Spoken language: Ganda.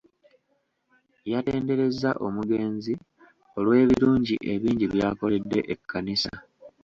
Yatenderezza omugenzi olw'ebirungi ebingi by’akoledde ekkanisa.